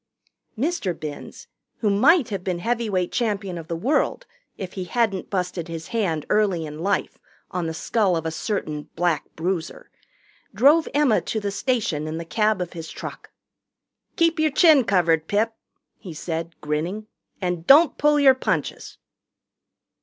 Mr. Binns, who might have been heavyweight champion of the world if he hadn't busted his hand early in life on the skull of a certain Black Bruiser, drove Emma to the station in the cab of his truck. "Keep yer chin covered, Pip," he said, grinning, "and don't pull your punches."